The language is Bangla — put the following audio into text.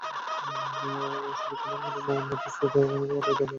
অশ্বিনী কুমার হলে মঞ্চস্থ হয়েছে কলকাতার অল্টারনেটিভ লিভিং থিয়েটারের নাটক বিষাদকাল।